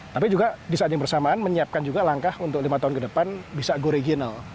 tapi juga di saat yang bersamaan menyiapkan juga langkah untuk lima tahun ke depan bisa go regional